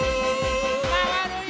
まわるよ！